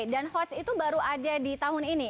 dan hortz itu baru ada di tahun ini